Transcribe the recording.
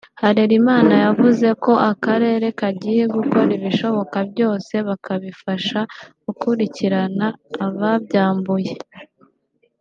Harerimana yavuze ko akarere kagiye gukora ibishoboka byose bakabifasha gukurikirarana ababyambuye